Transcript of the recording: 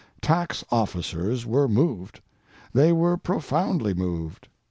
Those tax officers were moved; they were profoundly moved.